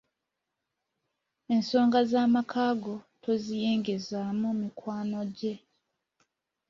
Ensonga z'amaka go toziyingizaamu mikwano gye.